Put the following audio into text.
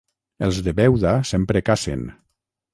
Els de Beuda sempre cacen.